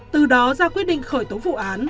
từ đó ra quyết định khởi tố vụ án